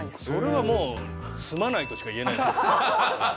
それはすまないとしか言えないです。